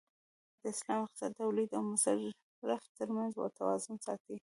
د اسلام اقتصاد د تولید او مصرف تر منځ توازن ساتي.